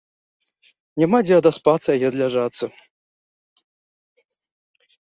Няма дзе адаспацца і адляжацца.